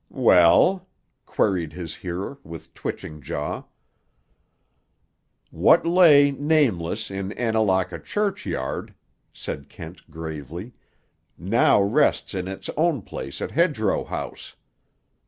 "Well?" queried his hearer, with twitching jaw. "What lay, nameless, in Annalaka churchyard," said Kent gravely, "now rests in its own place at Hedgerow House.